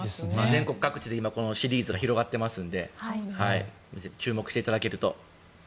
全国各地でこのシリーズが広がっていますので注目していただけますと。